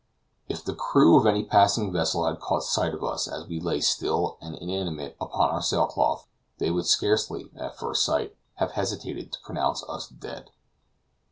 If the crew of any passing vessel had caught sight of us as we lay still and inanimate upon our sail cloth, they would scarcely, at first sight, have hesitated to pronounce us dead.